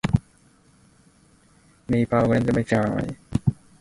Napier orogeny is characterized by high-grade metamorphism and plate tectonics.